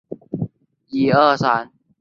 傅清于雍正元年授蓝翎侍卫。